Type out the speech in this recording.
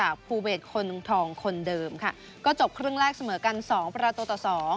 คนเดิมค่ะก็จบครึ่งแรกเสมอกัน๒ประตูต่อ๒